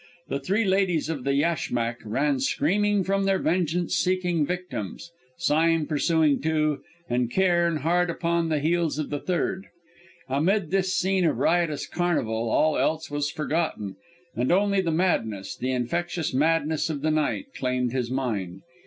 The three ladies of the yashmak ran screaming from their vengeance seeking victims, Sime pursuing two, and Cairn hard upon the heels of the third. Amid this scene of riotous carnival all else was forgotten, and only the madness, the infectious madness of the night, claimed his mind.